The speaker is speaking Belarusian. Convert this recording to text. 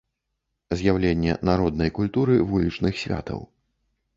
З'яўленне народнай культуры вулічных святаў.